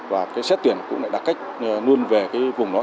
và xét tuyển cũng đặt cách luôn về vùng đó